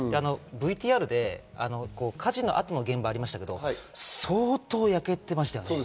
ＶＴＲで火事のあとの現場がありましたけど、相当、焼けていました。